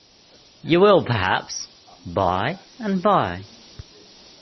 You will, perhaps — bye and bye.